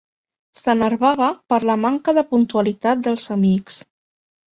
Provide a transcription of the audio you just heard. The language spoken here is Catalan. S'enervava per la manca de puntualitat dels amics.